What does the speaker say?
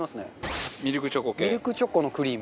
ミルクチョコのクリーム。